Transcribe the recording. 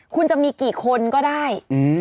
คุณจะมีกี่คนก็ได้